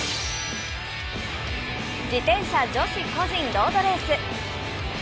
自転車女子個人ロードレース。